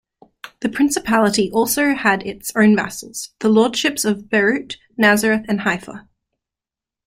The Principality also had its own vassals: the Lordships of Beirut, Nazareth, and Haifa.